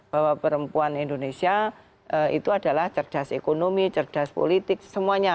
bahwa perempuan indonesia itu adalah cerdas ekonomi cerdas politik semuanya